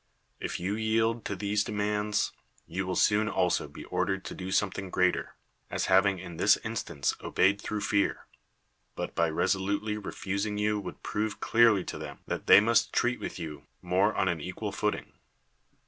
If you yield to these demands, you will soon also be ordered to do something greater, as having in this instance obeyed through fear : but by resolutely refusing you would prove clearly to them that they must treat with you more on an equal footing.